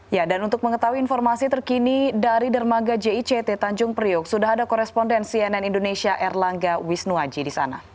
ya dan untuk mengetahui informasi terkini dari dermaga jict tanjung priok sudah ada koresponden cnn indonesia erlangga wisnuaji di sana